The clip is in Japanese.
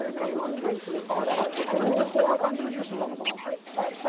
結構、濃厚な感じのジュースになるのかな？